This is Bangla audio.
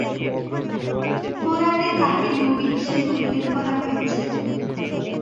কোরআনে তাঁকে নবী হিসাবে উল্লেখ করা হয়েছে।